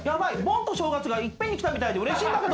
盆と正月がいっぺんに来たみたいでうれしいんだけど。